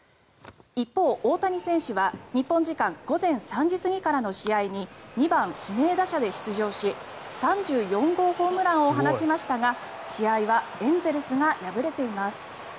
一方、大谷選手は日本時間午前３時過ぎからの試合に２番指名打者で出場し３４号ホームランを放ちましたが試合はエンゼルスが敗れています。